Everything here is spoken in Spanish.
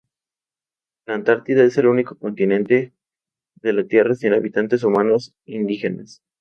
La Antártida es el único continente de la Tierra sin habitantes humanos indígenas.